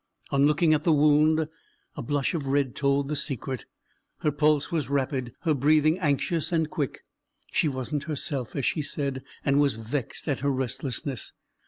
On looking at the wound, a blush of red told the secret: her pulse was rapid, her breathing anxious and quick, she wasn't herself, as she said, and was vexed at her restlessness.